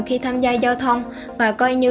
khi tham gia giao thông và coi như